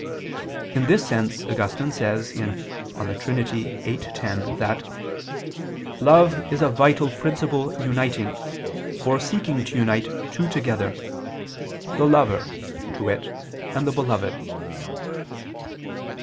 In this sense Augustine says (De Trin. viii, 10) that "love is a vital principle uniting, or seeking to unite two together, the lover, to wit, and the beloved."